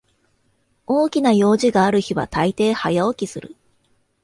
大きな用事がある日はたいてい早起きする